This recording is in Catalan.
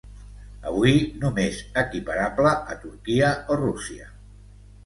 Avui, només equiparable a Turquia o Rússia.